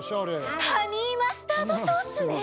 ハニーマスタードソースね！